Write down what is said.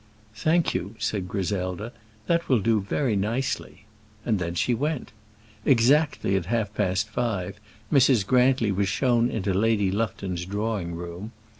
"Thank you," said Griselda, "that will do very nicely;" and then she went. Exactly at half past five Mrs. Grantly was shown into Lady Lufton's drawing room.